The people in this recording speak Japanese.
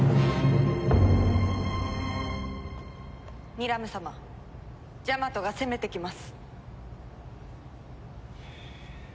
ニラム様ジャマトが攻めてきます！